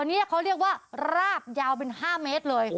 นี่เค้าเรียกว่าราบยาว๕เมตรเลย